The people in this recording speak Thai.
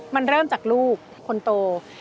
มันเริ่มจากลูกคนโต